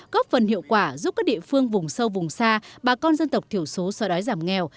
góp phần hiệu quả giúp các địa phương vùng sâu vùng xa bà con dân tộc thiểu số so đói giảm nghèo